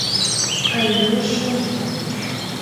А илышым?